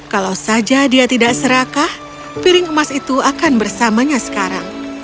kalau saja dia tidak serakah piring emas itu akan bersamanya sekarang